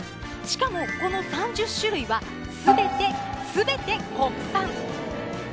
しかもこの３０種類はすべてすべて国産。